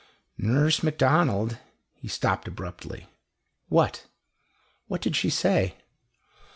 "Nurse Macdonald " He stopped abruptly. "What? What did she say?"